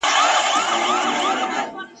سپین ږیرو ډاډ ورکاوه.